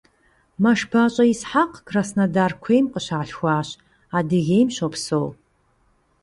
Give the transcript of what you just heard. МэшбащӀэ Исхьэкъ Краснодар куейм къыщалъхуащ, Адыгейм щопсэу.